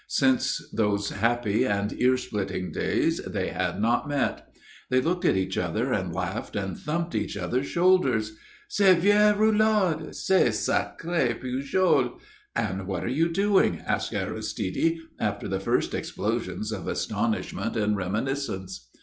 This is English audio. Since those happy and ear splitting days they had not met. They looked at each other and laughed and thumped each other's shoulders. "Ce vieux Roulard!" "Ce sacré Pujol." "And what are you doing?" asked Aristide, after the first explosions of astonishment and reminiscence.